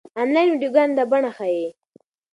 انلاين ويډيوګانې دا بڼه ښيي.